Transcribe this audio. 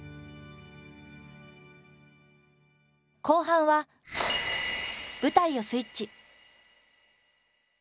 後半は舞台をスイッチ。